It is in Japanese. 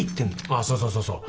あっそうそうそうそう。